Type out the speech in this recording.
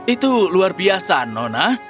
itu luar biasa nona